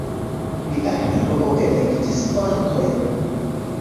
Nia heroo elektis forkojn.